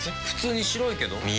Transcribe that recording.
普通に白いけど。